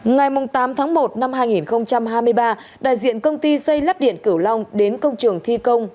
ngày tám tháng một năm hai nghìn hai mươi ba đại diện công ty xây lắp điện cửu long đến công trường thi công